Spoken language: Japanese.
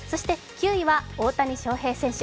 そして９位は大谷翔平選手。